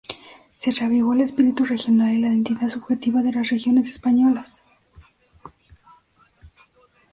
Se reavivó el espíritu regional y la identidad subjetiva de las regiones españolas.